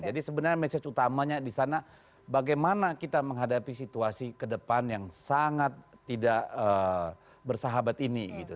jadi sebenarnya message utamanya disana bagaimana kita menghadapi situasi kedepan yang sangat tidak bersahabat ini gitu